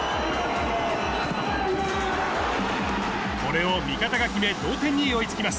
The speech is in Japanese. これを味方が決め、同点に追いつきます。